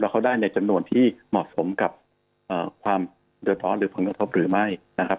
เขาได้ในจำนวนที่เหมาะสมกับความเดือดร้อนหรือผลกระทบหรือไม่นะครับ